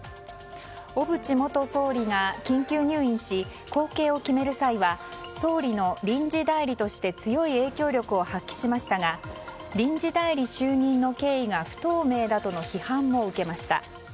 小渕元総理が緊急入院し後継を決める際は総理の臨時代理として強い影響力を発揮しましたが臨時代理就任の経緯が不透明だとの批判も受けました。